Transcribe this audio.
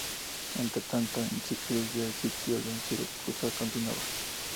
Entretanto, en Sicilia el Sitio de Siracusa continuaba.